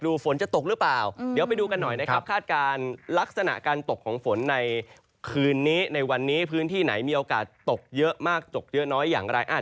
รายละเอียดจะเป็นยังไงเดี๋ยวจับตาเตือนภัย